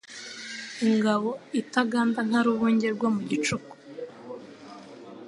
Ingabo itaganda nka rubunge rwo mu gicuku